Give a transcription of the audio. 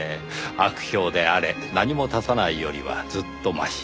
悪評であれ何も立たないよりはずっとマシ。